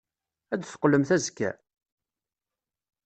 Ad d-teqqlemt azekka?